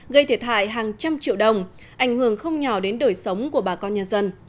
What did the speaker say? gây thiệt hại hàng trăm triệu đồng ảnh hưởng không nhỏ đến đổi sống của bà con nhà dân